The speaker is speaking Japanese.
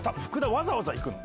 わざわざ行くの？